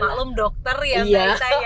maklum dokter ya mbak ita ya